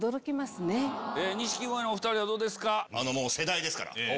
錦鯉のお２人はどうですか？